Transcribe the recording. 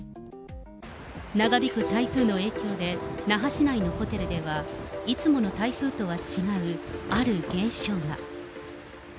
長引く台風の影響で、那覇市内のホテルではいつもの台風とは違う、ある現象が。